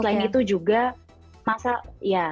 selain itu juga masa ya